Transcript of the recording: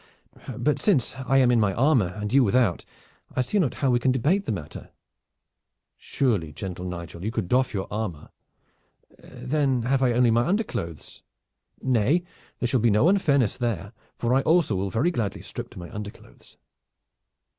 But since I am in my armor and you without, I see not how we can debate the matter." "Surely, gentle Nigel, you could doff your armor." "Then have I only my underclothes." "Nay, there shall be no unfairness there, for I also will very gladly strip to my underclothes."